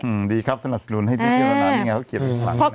อืมดีครับสนับสนุนให้ที่เที่ยวที่หนาวนี่ไงเขาเขียนหลังเนี่ย